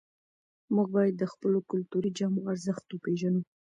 موږ باید د خپلو کلتوري جامو ارزښت وپېژنو.